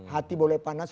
hati boleh panas